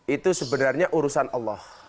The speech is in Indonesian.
itu sebenarnya urusan allah